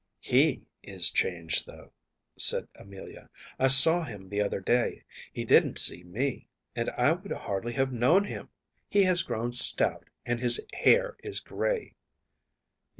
‚ÄĚ “HE is changed, though,‚ÄĚ said Amelia. “I saw him the other day. He didn’t see me, and I would hardly have known him. He has grown stout, and his hair is gray.